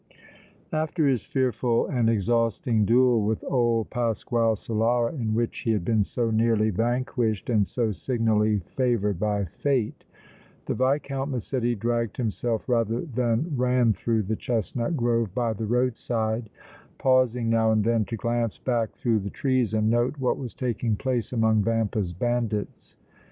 After his fearful and exhausting duel with old Pasquale Solara in which he had been so nearly vanquished and so signally favored by Fate, the Viscount Massetti dragged himself rather than ran through the chestnut grove by the roadside, pausing now and then to glance back through the trees and note what was taking place among Vampa's bandits.